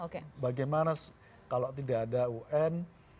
oke bagaimana kalau tidak ada un